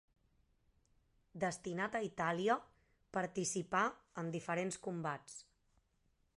Destinat a Itàlia, participà en diferents combats.